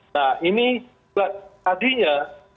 nah ini tadinya